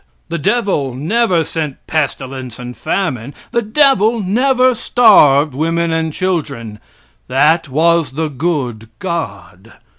The devil never sent pestilence and famine; the devil never starved women and children; that was the good God.